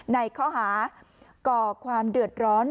ในข้อหาก่อความเดือดร้อน